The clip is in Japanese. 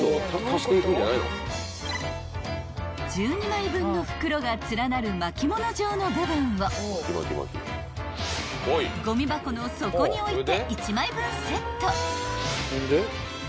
［１２枚分の袋が連なる巻物状の部分をゴミ箱の底に置いて１枚分セット］